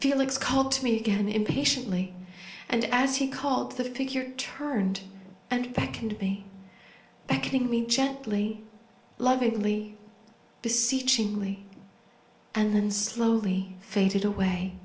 Felix called to me again, im patiently ; and, as he called, the figure turned, and beckoned me ; beckoning me gentl}^, lov ingly, beseechingly; and then slowly faded away.